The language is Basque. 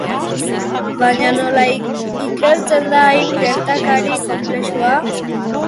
Baina nola ikertzen da hain gertakari konplexua?